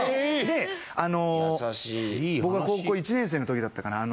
僕が高校１年生の時だったかな。